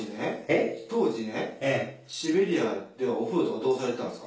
当時ねシベリアではお風呂とかどうされてたんですか？